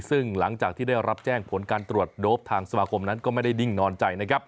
ซึ่งหลังจากที่ได้รับแจ้งผลการตรวจโดปทางสมาคมนั้นก็ไม่ได้ดิ้งนอนใจนะครับ